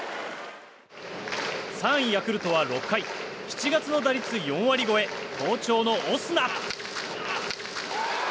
３位、ヤクルトは６回７月の打率４割超え好調のオスナ。